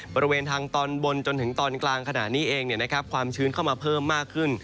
บริเวณทางตอนบนจนถึงตอนกลางขณะนี้เองความชื้นเข้ามาเพิ่มมากขึ้น